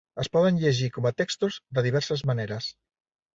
Es poden llegir com a textos de diverses maneres.